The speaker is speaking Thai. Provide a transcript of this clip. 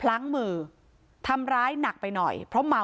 ไปโบกรถจักรยานยนต์ของชาวอายุขวบกว่าเองนะคะ